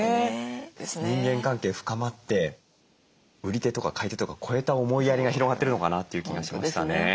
人間関係深まって売り手とか買い手とか超えた思いやりが広がってるのかなという気がしましたね。